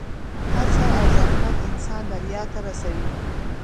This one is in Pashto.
هڅه او زحمت انسان بریا ته رسوي.